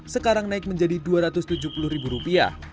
sekarang naik menjadi rp dua ratus tujuh puluh